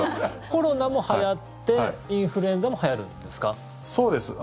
コロナもはやってインフルエンザもはやるんですか？